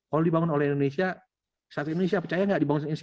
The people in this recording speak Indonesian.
kalau dibangun oleh indonesia satu indonesia percaya nggak dibangun se indonesia